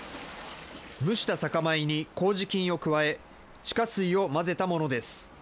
蒸した酒米にこうじ菌を加え、地下水を混ぜたものです。